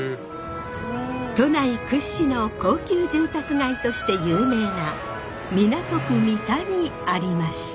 都内屈指の高級住宅街として有名な港区三田にありました。